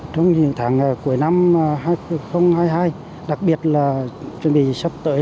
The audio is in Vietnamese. trong những tháng cuối năm hai nghìn hai mươi hai đặc biệt là chuẩn bị sắp tới